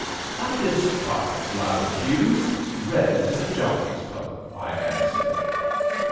"I despise loud hues. Red is a jockey's color," I answered.